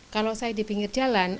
kalau saya di pinggir jalan